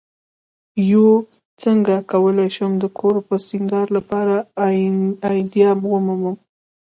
uڅنګه کولی شم د کور د سینګار لپاره آئیډیا ومومم